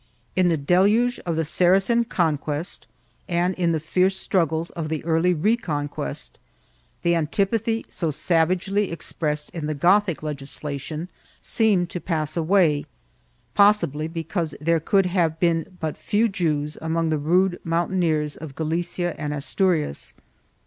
In the deluge of the Saracen conquest and in the fierce struggles of the early Reconquest, the antipathy so savagely expressed in the Gothic legislation seemed to pass away, possibly because there could have been but few Jews among the rude mountaineers of Galicia and Asturias.